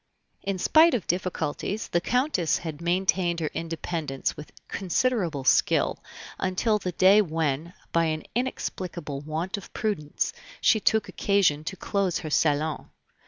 In spite of difficulties, the Countess had maintained her independence with considerable skill until the day when, by an inexplicable want of prudence, she took occasion to close her salon.